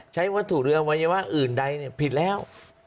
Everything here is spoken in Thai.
ใช้วัตถุหรืออวัยวะอื่นใดผิดแล้ว